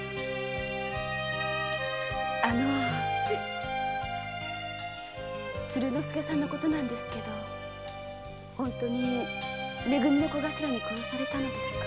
あのぅ鶴之助さんの事ですけど本当にめ組の小頭に殺されたんですか？